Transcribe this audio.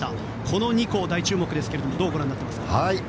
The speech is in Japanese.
この２校大注目ですがどうご覧になっていますか？